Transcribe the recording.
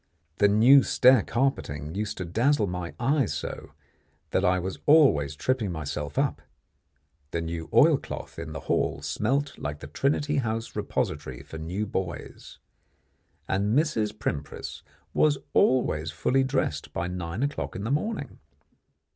The new stair carpeting used to dazzle my eyes so, that I was always tripping myself up; the new oil cloth in the hall smelt like the Trinity House repository for new buoys; and Mrs. Primpris was always full dressed by nine o'clock in the morning.